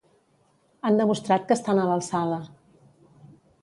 Han demostrat que estan a l'alçada.